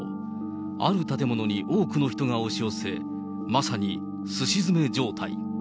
ある建物に多くの人が押し寄せ、まさにすし詰め状態。